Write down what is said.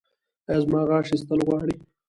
ایا زما غاښ ایستل غواړي؟